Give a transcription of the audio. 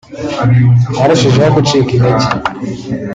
narushijeho gucika intege